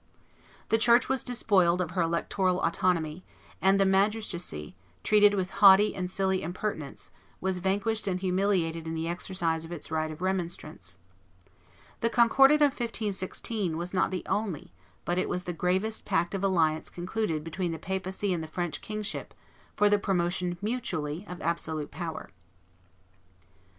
The church was despoiled of her electoral autonomy; and the magistracy, treated with haughty and silly impertinence, was vanquished and humiliated in the exercise of its right of remonstrance. The Concordat of 1516 was not the only, but it was the gravest pact of alliance concluded between the papacy and the French kingship for the promotion mutually of absolute power.